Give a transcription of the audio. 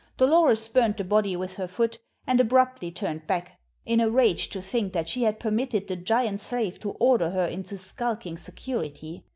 Dolores spurned the body with her foot, and abruptly turned back, in a rage to think that she had permitted the giant slave to order her into skulking security.